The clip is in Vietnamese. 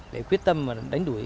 để quyết tâm mà đánh đuổi